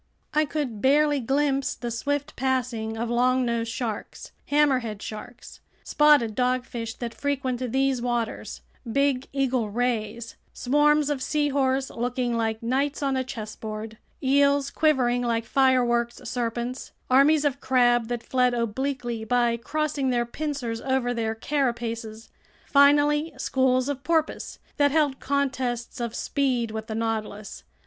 I could barely glimpse the swift passing of longnose sharks, hammerhead sharks, spotted dogfish that frequent these waters, big eagle rays, swarms of seahorse looking like knights on a chessboard, eels quivering like fireworks serpents, armies of crab that fled obliquely by crossing their pincers over their carapaces, finally schools of porpoise that held contests of speed with the Nautilus.